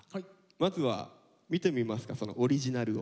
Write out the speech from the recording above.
まずは見てみますかオリジナルを。